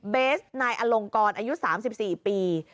เบสนายอลงกรอายุ๓๔ปี